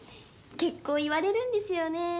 結構言われるんですよね。